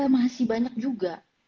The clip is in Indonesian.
masih banyak juga